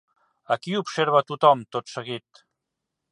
A qui observa tothom, tot seguit?